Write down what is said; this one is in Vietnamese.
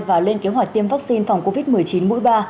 và lên kế hoạch tiêm vaccine phòng covid một mươi chín mũi ba